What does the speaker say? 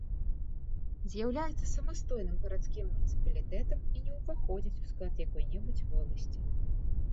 З'яўляецца самастойным гарадскім муніцыпалітэтам і не ўваходзіць у склад якой-небудзь воласці.